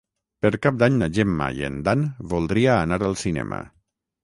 Per Cap d'Any na Gemma i en Dan voldria anar al cinema.